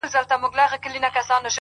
مسجد نه دی په کار مُلا ممبر نه دی په کار